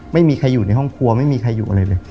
ไม่มีใครอยู่ในห้องครัวไม่มีใครอยู่อะไรเลย